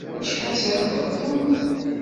Acḥal sɛan n tɣeṭṭen?